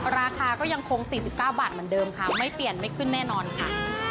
ราคาก็ยังคง๔๙บาทเหมือนเดิมค่ะไม่เปลี่ยนไม่ขึ้นแน่นอนค่ะ